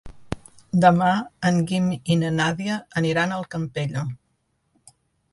Demà en Guim i na Nàdia aniran al Campello.